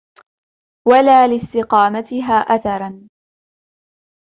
وَلَا لِاسْتِقَامَتِهَا أَثَرًا